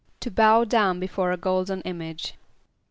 =To bow down before a golden image.